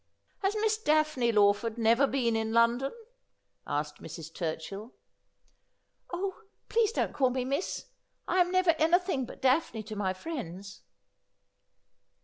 ' Has Miss Daphne Lawf ord never been in London ?' asked Mrs. Turchill. ' Oh, please don't call me miss. I am never anything but Daphne to my friends.'